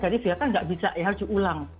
jadi biar kan nggak bisa ya harus diulang